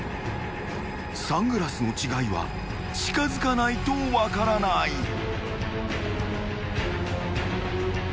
［サングラスの違いは近づかないと分からない］